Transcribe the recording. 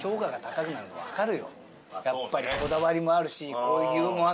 やっぱりこだわりもあるしユーモア